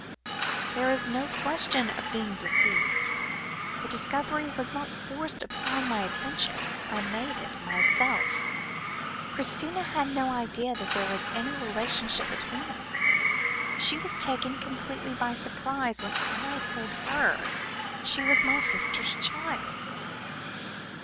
"There is no question of being deceived. The discovery was not forced upon my attention; I made it for myself. Christina had no idea that there was any relationship between us. She was taken completely by surprise, when I told her she was my sister's child."